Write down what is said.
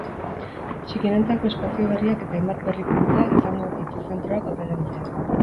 Txikienentzako espazio berriak eta hainbat berrikuntza izango ditu zentroak aurrerantzean.